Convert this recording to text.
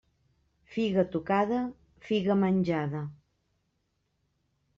Figa tocada, figa menjada.